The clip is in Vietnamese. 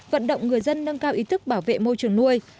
vận động người dân nâng cao ý thức bảo vệ môi trường nuôi